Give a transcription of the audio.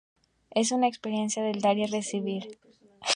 Es una experiencia del dar y recibir.